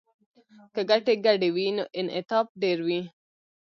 که ګټې ګډې وي نو انعطاف ډیر وي